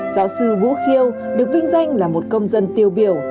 giáo sư vũ khiêu được vinh danh là một công dân tiêu biểu